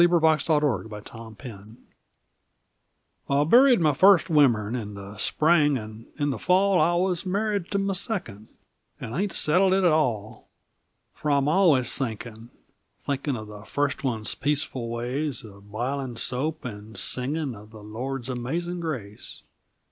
His First Womern I buried my first womern In the spring; and in the fall I was married to my second, And haint settled yit at all? Fer I'm allus thinkin' thinkin' Of the first one's peaceful ways, A bilin' soap and singin' Of the Lord's amazin' grace.